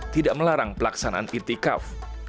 tidak melarang pelaksanaan i'tikaf